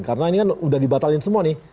karena ini kan sudah dibatalkan semua nih